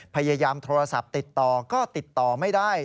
พยายามโทรศัพท์ติดต่อก็ติดต่อไม่ได้